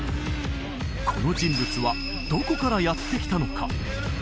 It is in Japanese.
この人物はどこからやって来たのか？